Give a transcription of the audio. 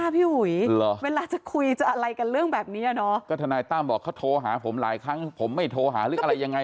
ไปเจอกันเลยดีกว่าเค้าไปเจอกัน